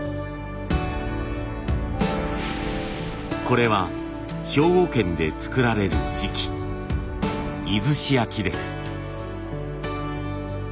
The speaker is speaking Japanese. これは兵庫県で作られる磁器出石焼です。